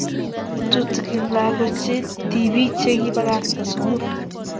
Tuten lakok che tipik che pakakta sukul